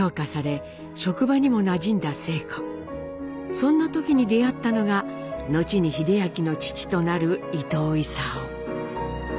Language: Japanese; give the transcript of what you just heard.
そんな時に出会ったのが後に英明の父となる伊藤勲。